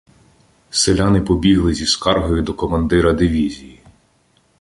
Селяни побігли зі скаргою до командира дивізії.